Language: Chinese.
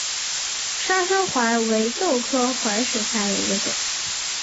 砂生槐为豆科槐属下的一个种。